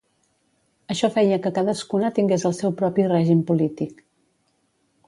Això feia que cadascuna tingués el seu propi règim polític.